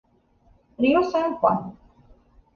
Río San Juan